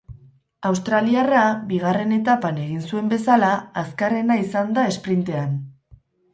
Australiarra, bigarren etapan egin zuen bezala, azkarrena izan da esprintean.